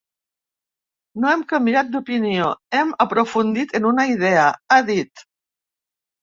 No hem canviat d’opinió, hem aprofundit en una idea, ha dit.